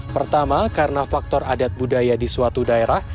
pertama karena faktor adat budaya di suatu daerah